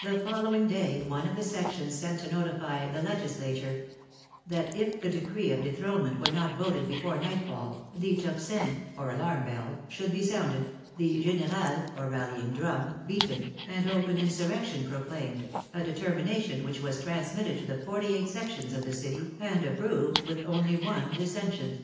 The following day one of the sections sent to notify the legislature that if the decree of dethronement were not voted before nightfall the tocsin (or alarm bell) should be sounded, the generate (or rallying drum) beaten, and open insur rection proclaimed, a determination which was trans mitted to the forty eight sections of the city, and ap proved with only one dissentient.